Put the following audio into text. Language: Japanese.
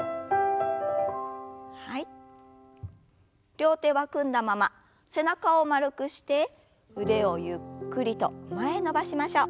両手は組んだまま背中を丸くして腕をゆっくりと前へ伸ばしましょう。